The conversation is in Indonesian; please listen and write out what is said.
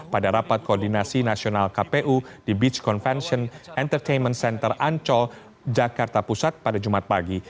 pada rapat koordinasi nasional kpu di beach convention entertainment center ancol jakarta pusat pada jumat pagi